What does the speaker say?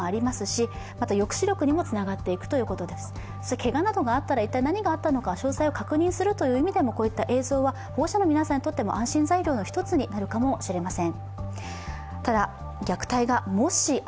けがなどがあったら一体何があったのか詳細を確認するという意味でも、こういった映像は保護者の皆さんにとっても安全材料の一つになっているかもしれません。